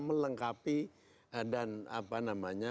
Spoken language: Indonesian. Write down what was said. melengkapi dan apa namanya